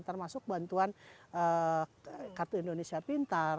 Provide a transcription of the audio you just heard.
termasuk bantuan kartu indonesia pintar